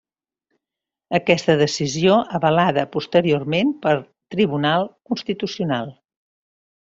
Aquesta decisió avalada posteriorment per Tribunal Constitucional.